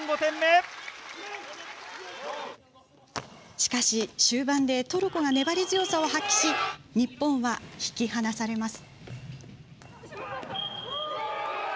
しかし、終盤でトルコが粘り強さを発揮し日本は引き離されます。